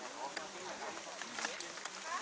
ออกไปเลยออกไปเลยนั่นไป